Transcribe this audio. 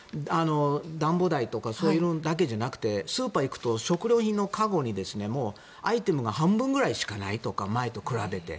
暖房代とかそれだけじゃなくてスーパーに行くと食料品の籠にアイテムが半分くらいしかないとか前と比べて。